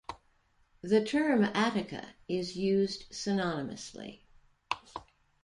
The term attacca is used synonymously.